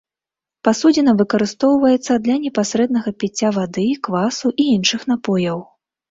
Пасудзіна выкарыстоўваецца для непасрэднага піцця вады, квасу і іншых напояў.